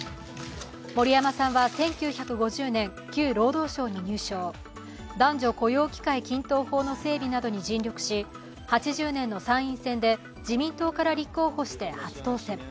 森山さんは１９５０年、旧労働省に入省、男女雇用機会均等法の整備などに尽力し８０年の参院選で自民党から立候補して初当選。